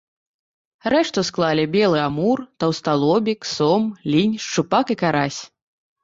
Рэшту склалі белы амур, таўсталобік, сом, лінь, шчупак і карась.